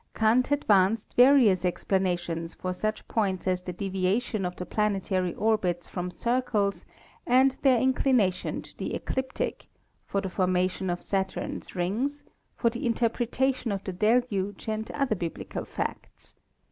Kant advanced various explanations for such points as the deviation of the planetary orbits from circles and their inclination to the ecliptic, for the formation of Saturn's rings, for the interpretation of the deluge and other bibli cal facts.